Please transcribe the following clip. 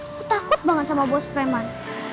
aku takut banget sama bos preman